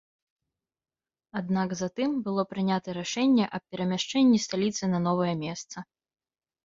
Аднак затым было прынята рашэнне аб перамяшчэнні сталіцы на новае месца.